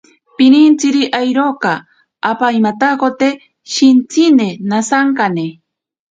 Pinintsiri awiroka ompaimatakote shintsine nasankane.